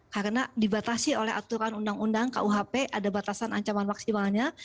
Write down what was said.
karena dibatasi oleh aturan undang undang kuhp ada batasan ancaman maksimalnya